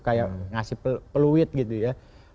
kayak ngasih peluit gitu ya